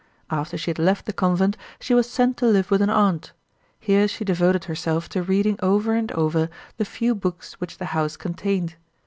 After she had left the convent she was sent to live with an aunt. Here she devoted herself to reading over and over the few books which the house contained.